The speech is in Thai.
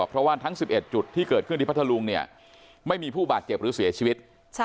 เพราะว่าทั้ง๑๑จุดที่เกิดขึ้นที่พัทธลุงเนี่ยไม่มีผู้บาดเจ็บหรือเสียชีวิต